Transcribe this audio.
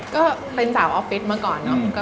ก็เป็นสาวออฟฟิศมาก่อนเนอะ